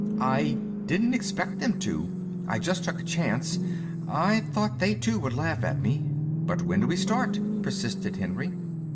"I didn't expect them to. I just took a chance. I thought they, too, would laugh at me." "But when do we start?" persisted Henry.